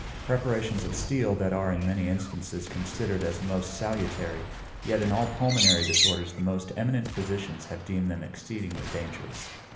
Preparations of steel, that are, in many instances, considered as most salutary, yet in all pulmonary disorders the most eminent physicians have deemed them exceedingly dangerous.